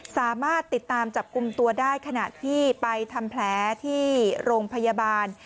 สามารถติดตามจับกลุ่มตัวได้ขณะที่ไปทำแผลที่โรงพยาบาล